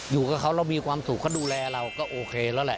อยู่กับเขาเรามีความสุขเขาดูแลเราก็โอเคแล้วแหละ